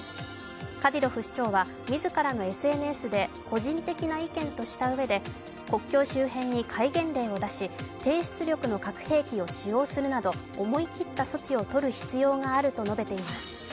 カディロフ首長はみずからのＳＮＳで個人的な意見としたうえで国境周辺に戒厳令を出し低出力の核兵器を使用するなど思い切った措置をとる必要があると述べています。